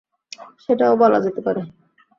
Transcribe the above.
সেটাও বলা যেতে পারে।